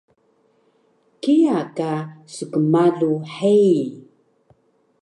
kiya ka skmalu hei